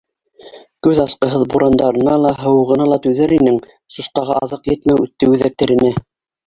Күҙ асҡыһыҙ бурандарына ла, һыуығына ла түҙер инең, сусҡаға аҙыҡ етмәү үтте үҙәктәренә.